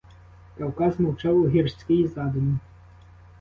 Кавказ мовчав у гірській задумі.